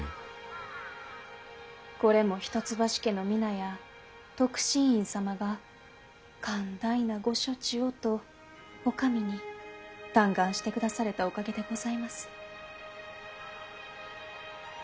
これも一橋家の皆や徳信院様が寛大なご処置をとお上に嘆願してくだされたおかげでございます。